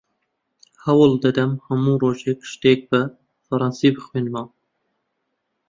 هەوڵ دەدەم هەموو ڕۆژێک شتێک بە فەڕەنسی بخوێنمەوە.